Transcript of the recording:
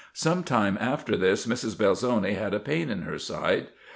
Some time after this, "Mrs. Belzoni had a pain in her side.